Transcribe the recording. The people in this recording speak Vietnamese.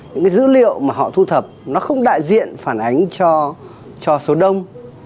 những cái dữ liệu mà họ thu thập nó không đại diện phản ánh cho số đông